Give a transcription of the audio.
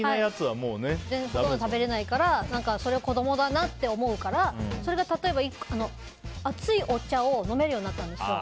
ほとんど食べられないからそれを子供だなって思うから例えば、熱いお茶を飲めるようになったんですよ。